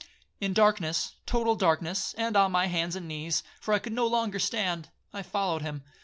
'In darkness, total darkness, and on my hands and knees, for I could no longer stand, I followed him.